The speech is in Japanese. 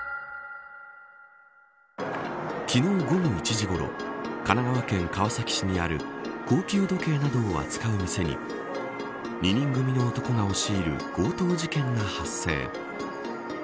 昨日午後１時ごろ神奈川県川崎市にある高級時計などを扱う店に２人組の男が押し入る強盗事件が発生。